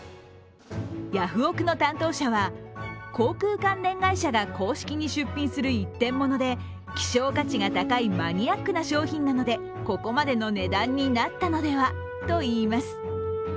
ヤフオク！の担当者は航空関連会社が公式に出品する一点物で希少価値が高いマニアックな商品なのでここまでの値段になったのではと言います。